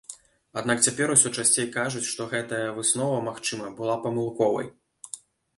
Аднак цяпер усё часцей кажуць, што гэтая выснова, магчыма, была памылковай.